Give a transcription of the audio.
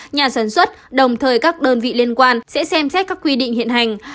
nhà sản xuất đồng thời các đơn vị liên quan sẽ xem xét các quy định hiện hành